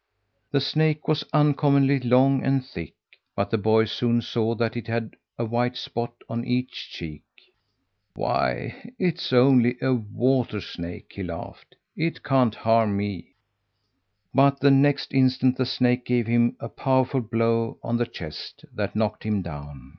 The snake was uncommonly long and thick, but the boy soon saw that it had a white spot on each cheek. "Why, it's only a water snake," he laughed; "it can't harm me." But the next instant the snake gave him a powerful blow on the chest that knocked him down.